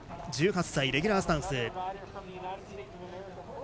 １８歳、レギュラースタンス。